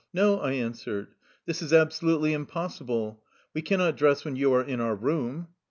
''" No," I answered, " this is absolutely impos sible. We cannot dress when you are in our room.''